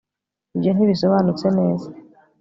ibyo ntibisobanutse neza